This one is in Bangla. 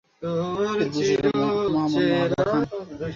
এর প্রতিষ্ঠাতা মহামান্য আগা খান।